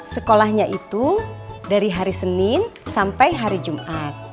sekolahnya itu dari hari senin sampai hari jumat